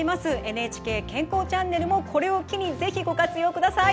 「ＮＨＫ健康チャンネル」もこれを機にぜひご活用ください。